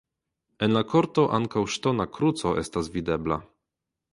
En la korto ankaŭ ŝtona kruco estas videbla.